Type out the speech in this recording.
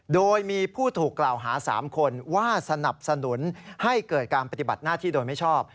โดยมีผู้ถูกกล่าวหา๓คนว่าสนับสนุนให้เกิดการปฏิบัติหน้าที่โดยไม่ชอบ